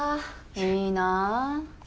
いいなあ。